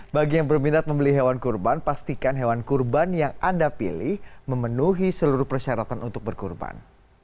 bagi yang berminat membeli hewan kurban pastikan hewan kurban yang anda pilih memenuhi seluruh persyaratan untuk berkurban